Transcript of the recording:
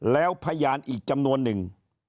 แล้วพยานอีกจำนวนหนึ่ง